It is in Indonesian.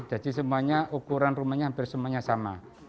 jadi semuanya ukuran rumahnya hampir semuanya sama